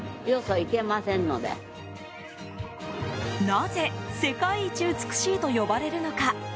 なぜ世界一美しいと呼ばれるのか。